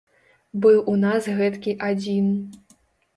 Быў у нас гэткі адзін.